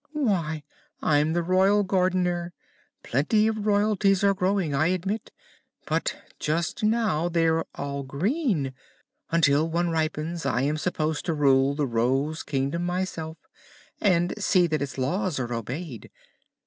"Why, I'm the Royal Gardener. Plenty of royalties are growing, I admit; but just now they are all green. Until one ripens, I am supposed to rule the Rose Kingdom myself, and see that its Laws are obeyed.